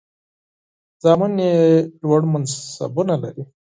زامن یې لوړ منصبونه لري.